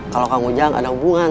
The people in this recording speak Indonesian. kalau kang ujang ada hubungan